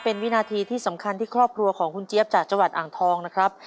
เป็นวินาทีที่สำคัญที่ครอบครัวของคุณเจี๊ยบจากจังหวัดอ่างทองนะครับ